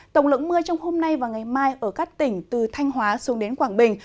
tổng lượng mưa trong hôm nay và ngày mai ở các tỉnh từ thanh hóa xuống đến quảng bình